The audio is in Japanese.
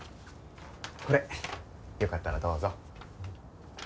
これよかったらどうぞ。